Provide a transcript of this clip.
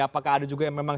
apakah ada juga yang memang